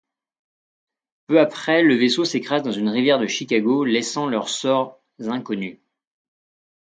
Peu après le vaisseau s'écrase dans une rivière de Chicago laissant leurs sorts inconnus.